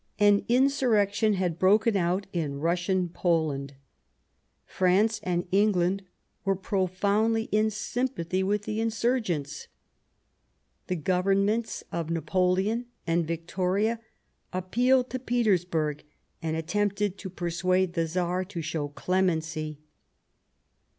An insurrection had broken out in Russian Poland. France The rising and England were profoundly in sym Poland pathy with the insurgents ; the Govern ments of Napoleon and Victoria appealed to Petersburg and attempted to persuade the Tsar to show clemency.